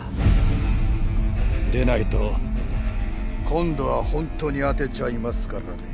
でないと今度は本当に当てちゃいますからね。